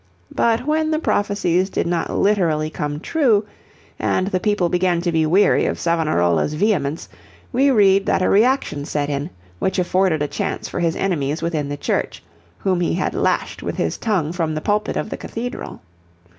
But when the prophecies did not literally come true, and the people began to be weary of Savonarola's vehemence, we read that a reaction set in, which afforded a chance for his enemies within the Church, whom he had lashed with his tongue from the pulpit of the cathedral.